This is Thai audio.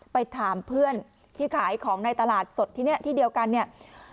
ไปถามเพื่อนที่ขายของในตลาดสดที่นี่ที่เดียวกันเนี่ย